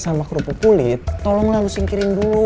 sama kerupuk kulit tolonglah lo singkirin dulu